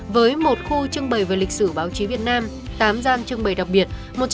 với một khu trưng bày về lịch sử báo chí việt nam tám gian trưng bày đặc biệt